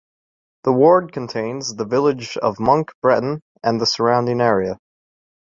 The ward contains the village of Monk Bretton and the surrounding area.